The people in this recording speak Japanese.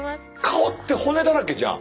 顔って骨だらけじゃん。